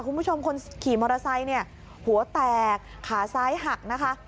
คุณผู้ชมคนขี่มอเตอร์ไซค์เนี่ยหัวแตกขาซ้ายหักนะคะ